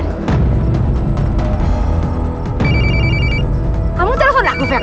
kamu telepon aku faisal